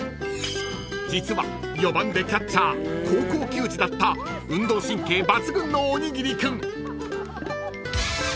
［実は４番でキャッチャー高校球児だった運動神経抜群のおにぎり君］